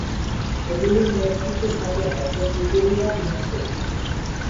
এগুলির নেতৃত্বে থাকেন একজন উপবিভাগ ইনস্পেক্টর।